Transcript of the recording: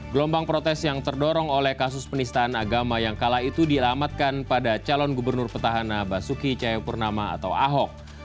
gelombang protes yang terdorong oleh kasus penistaan agama yang kala itu dilamatkan pada calon gubernur petahana basuki cayapurnama atau ahok